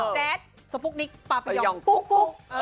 แจ๊ดสปุ๊กนิกปาปิยองกุ๊ก